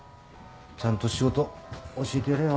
ちゃんと仕事教えてやれよ。